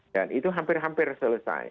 dan itu hampir hampir selesai